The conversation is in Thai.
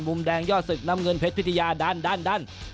มุมแดงยอดศึกน้ำเงินเพชรพิทยาดัน